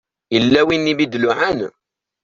Yella win i m-d-iluɛan?